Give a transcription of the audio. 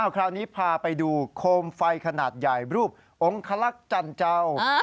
คราวนี้พาไปดูโคมไฟขนาดใหญ่รูปองคลักษณ์จันเจ้า